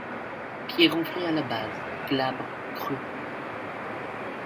Pied renflé à la base, glabre, creux.